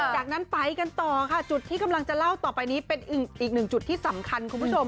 จากนั้นไปกันต่อค่ะจุดที่กำลังจะเล่าต่อไปนี้เป็นอีกหนึ่งจุดที่สำคัญคุณผู้ชม